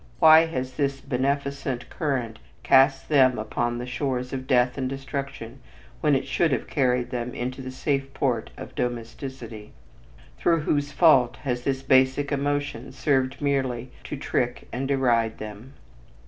Why has this beneficent current cast them upon the shores of death and destruction when it should have carried them into the safe port of domesticity? Through whose fault has this basic emotion served merely to trick and deride them?